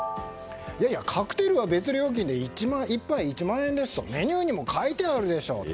いやいやカクテルは別料金で１杯１万円とメニューにも書いてあるでしょと。